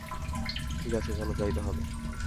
ঠিক আছে, চলো যাই তাহলে।